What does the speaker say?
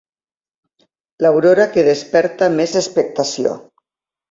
L'aurora que desperta més expectació.